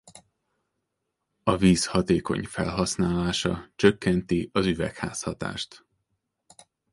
A víz hatékony felhasználása csökkenti az üvegházhatást.